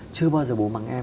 chưa bao giờ bố mắng em